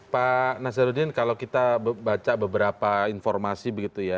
pak nasaruddin kalau kita baca beberapa informasi begitu ya